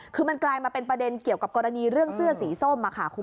คือมันกลายมาเป็นประเด็นเกี่ยวกับกรณีเรื่องเสื้อสีส้ม